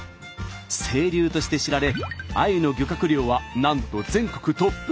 清流として知られあゆの漁獲量はなんと全国トップクラス。